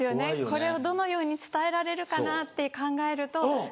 これをどのように伝えられるかなって考えると。